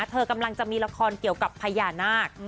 เธอกำลังจะมีละครเกี่ยวกับพญานาค